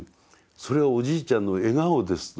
「それはおじいちゃんの笑顔です」と。